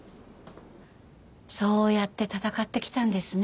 そうやって戦ってきたんですね